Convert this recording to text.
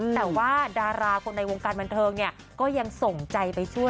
แต่ว่าดาราคนในวงการบันเทิงเนี่ยก็ยังส่งใจไปช่วย